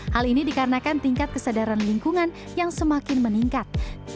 hal ini dikarenakan tingkat kesadaran lingkungan yang semakin meningkat